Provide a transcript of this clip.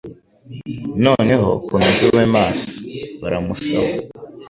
Noneho, komeza ube maso!" baramusoma.